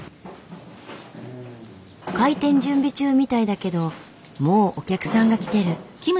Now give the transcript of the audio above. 開店準備中みたいだけどもうお客さんが来てる。